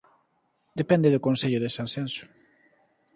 Depende do Concello de Sanxenxo